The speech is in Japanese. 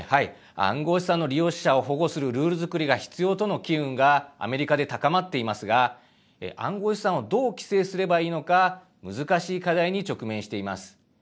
暗号資産の利用者を保護するルール作りが必要との機運がアメリカで高まっていますが暗号資産をどう規制すればいいのか難しい課題に直面しています。